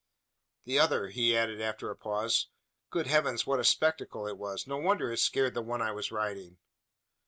"The other?" he added, after a pause. "Good heavens! what a spectacle it was! No wonder it scared the one I was riding!